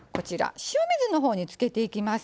塩水の方につけていきます。